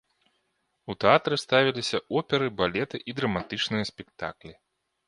У тэатры ставіліся оперы, балеты і драматычныя спектаклі.